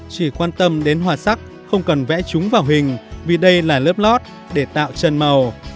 chỉ quan tâm đến hòa sắc không cần vẽ chúng vào hình vì đây là lớp lót để tạo chân màu